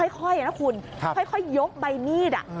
ค่อยนะคุณค่อยยกใบมีด